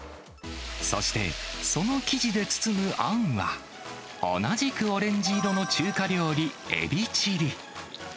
そしてその生地で包むあんは、同じくオレンジ色の中華料理、エビチリ。